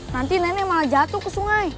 nanti nenek malah jatuh ke sungai